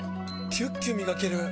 キュッキュ磨ける！